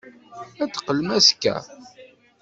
Ad d-teqqlem azekka?